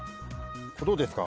どうですか？